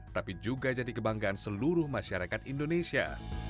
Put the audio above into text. tapi juga jadi kebanggaan seluruh masyarakat indonesia